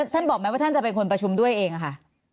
บอกไหมว่าท่านจะเป็นคนประชุมด้วยเองค่ะ